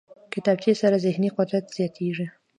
کتابچه سره ذهني قدرت زیاتېږي